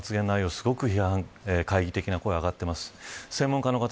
すごく批判や懐疑的な声が上がっています。